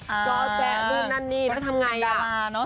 เจ้าแจ๊บนั่นนี่แล้วทำไงอะ